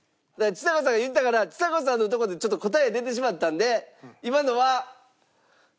ちさ子さんが言ったからちさ子さんのとこでちょっと答え出てしまったんで今のは。